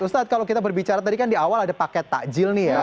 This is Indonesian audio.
ustadz kalau kita berbicara tadi kan di awal ada paket takjil nih ya